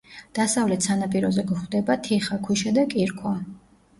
დასავლეთ სანაპიროზე გვხვდება თიხა, ქვიშა და კირქვა.